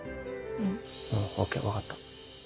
うんＯＫ分かった。